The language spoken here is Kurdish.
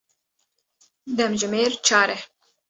Demjimêr çar e.